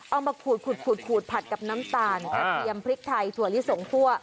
เอามาขูดผัดกับน้ำตาลกระเทียมพริกไทยถั่วลิสงคั่ว